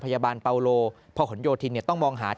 เพราะว่าเราอยู่ในเครือโรงพยาบาลกรุงเทพฯนี่ก็เป็นในระดับโลก